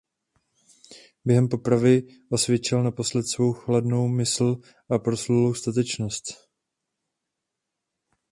Během popravy osvědčil naposled svou chladnou mysl a proslulou statečnost.